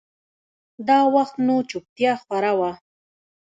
دا وخت نو چوپتيا خوره وه.